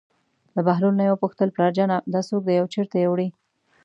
له بهلول نه یې وپوښتل: پلارجانه دا څوک دی او چېرته یې وړي.